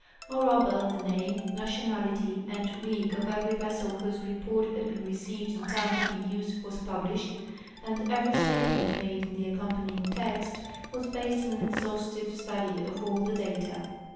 Moreover, the name, nation ality, and rig of every vessel whose report had been received in time to be used was published, and every statement made in the accompanying text was based on an exhaustive study of all the data.